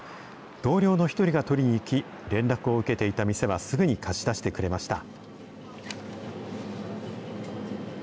同僚の１人が取りに行き、連絡を受けていた店は、すぐに貸し出してくれました。